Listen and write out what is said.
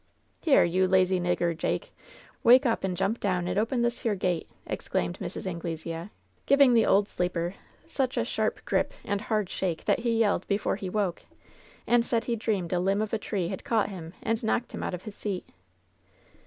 "Here, you lazy nigger, Jake ! Wake up and jump down and open this here gate !" exclaimed Mrs. Angle sea, giving the old sleeper such a sharp grip and hard shake that he yelled before he woke and said he dreamed a limb of a tree had caught him and knocked him out of his seat.